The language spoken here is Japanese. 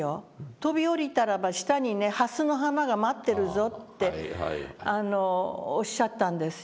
「飛び降りたらば下にね蓮の花が待ってるぞ」っておっしゃったんですよ。